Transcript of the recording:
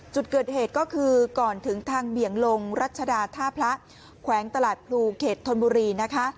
จุดเกิดเหตุก็คือก่อนถึงทางเบี่ยงลงรัชดาท่าพระแขวงตลาดพลูเขตธนบุรีนะคะ